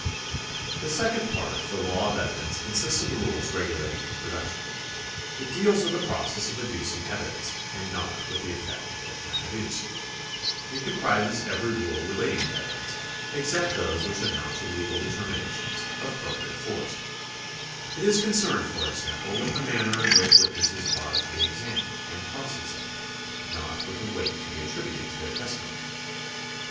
The second part of the law of evidence consists of rules regulating its production. It deals with the process of adducing evidence, and not with the effect of it when adduced. It comprises every rule relating to evidence, except those which amount to legal determinations of pro bative force. It is concerned for example with the manner in which witnesses are to be examined and cross examined, not with the weight to be attributed to their testimony.